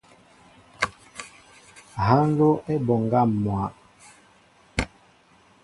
Ha nló a e mɓoŋga mwa.